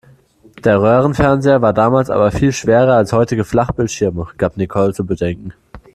Der Röhrenfernseher war damals aber viel schwerer als heutige Flachbildschirme, gab Nicole zu bedenken.